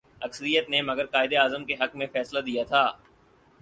اکثریت نے مگر قائد اعظم کے حق میں فیصلہ دیا تھا۔